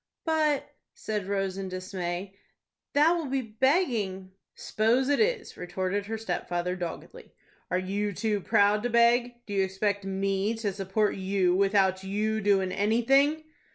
'" "But," said Rose, in dismay, "that will be begging." "S'pose it is," retorted her stepfather, doggedly. "Are you too proud to beg? Do you expect me to support you without you doin' anything?"